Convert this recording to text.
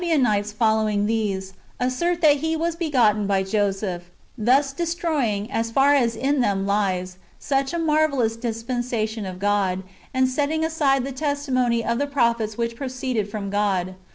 Ebionites, following tliese, assert that He was begotten by Joseph ; thus destroying, as far as in them lies, such a mar vellous clisj)ensation of God, and setting aside the testimony of the prophets which proceeded from God.